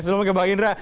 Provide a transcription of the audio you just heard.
sebelum ke bang indra